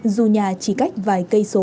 dù nhà chỉ cách vài cây bóng